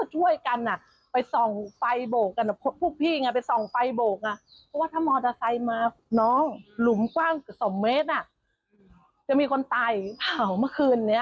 หลุมกว้าง๒เมตรจะมีคนตายเผ่าเมื่อคืนนี้